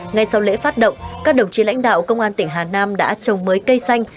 ngay sau lễ phát động các đồng chí lãnh đạo công an tỉnh hà nam đã trồng mới cây xanh